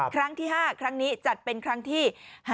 ครั้งที่๕ครั้งนี้จัดเป็นครั้งที่๕